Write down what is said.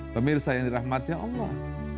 pemirsa yang dirahmatkan allah